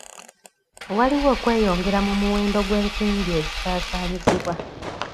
Waliwo okweyongera mu muwendo gw'ensimbi ezisaasaanyizibwa.